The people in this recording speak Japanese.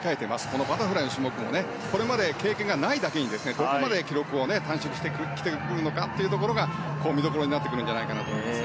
このバタフライの種目もこれまで経験がないだけにどこまで記録を短縮してくるのかが見どころになってくるのではないかと思います。